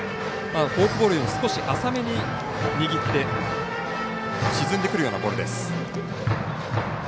フォークボールよりも少し浅めに握って沈んでくるようなボールです。